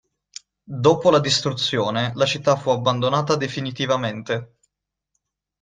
Dopo la distruzione la città fu abbandonata definitivamente.